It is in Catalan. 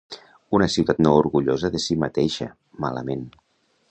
Una ciutat no orgullosa de si mateixa, malament.